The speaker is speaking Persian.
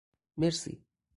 مرسی